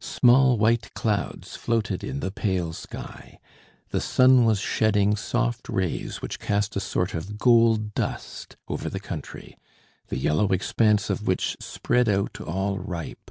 Small white clouds floated in the pale sky. The sun was shedding soft rays, which cast a sort of gold dust over the country, the yellow expanse of which spread out all ripe.